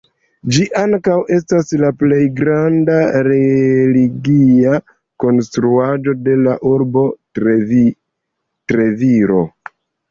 Ĝi ankaŭ estas la plej granda religia konstruaĵo de la urbo Treviro.